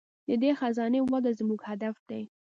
د دې خزانې وده زموږ هدف دی.